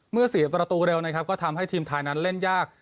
เสียประตูเร็วนะครับก็ทำให้ทีมไทยนั้นเล่นยาก